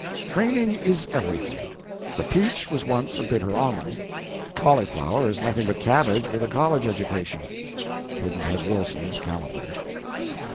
Training is everything. The peach was once a bitter almond; cauliflower is nothing but cabbage with a college education. Pudd'nhead Wilson's Calendar.